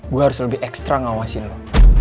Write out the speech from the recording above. gue harus lebih ekstra ngawasin lo